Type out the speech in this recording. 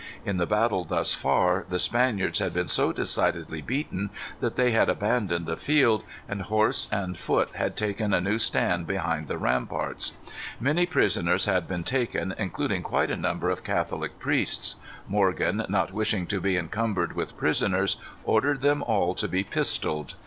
In the battle thus far, the Spaniards had been so decidedly beaten that they had abandoned the field, and horse and foot had taken a new stand behind the ramparts. Many prisoners had been taken, including quite a number of Catholic priests. Morgan, not wishing to be encumbered with prisoners, ordered them all to be pistolled.